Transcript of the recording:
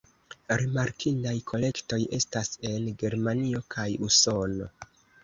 Rimarkindaj kolektoj estas en Germanio kaj Usono.